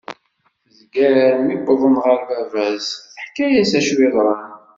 Tezger mi wḍen ɣer baba-s teḥka-as acu yeḍran.